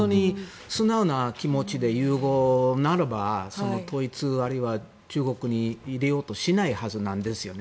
素直な気持ちで融合ならば統一、あるいは中国に入れようとしないはずなんですね。